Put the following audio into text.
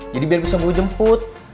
jadi biar bisa gue jemput